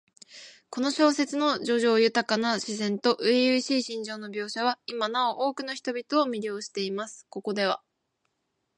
この小説の叙情豊かな自然と初々しい心情の描写は、今なお多くの人々を魅了しています。ここでは、